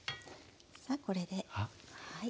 さあこれではい。